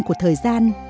của thời gian